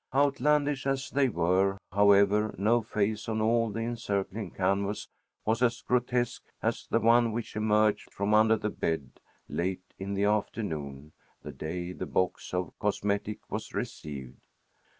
Outlandish as they were, however, no face on all the encircling canvas was as grotesque as the one which emerged from under the bed late in the afternoon, the day the box of cosmetic was received.